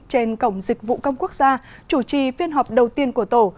trên cổng dịch vụ công quốc gia chủ trì phiên họp đầu tiên của tổ